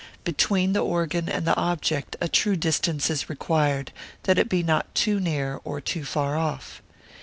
Between the organ and object a true distance is required, that it be not too near, or too far off!